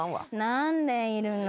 何でいるの？